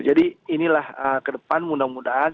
jadi inilah ke depan mudah mudahan